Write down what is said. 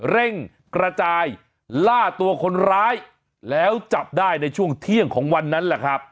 เร่งกระจายล่าตัวคนร้ายแล้วจับได้ในช่วงเที่ยงของวันนั้นแหละครับ